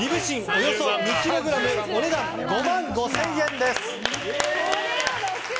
およそ２ｋｇお値段５万５０００円です。